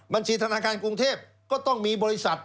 บัญชีธนาคารกรุงเทพก็ต้องมีบริษัท